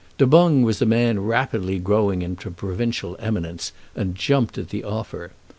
Du Boung was a man rapidly growing into provincial eminence, and jumped at the offer.